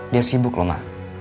dia sibuk loh ma